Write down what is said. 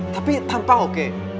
tapi tampak oke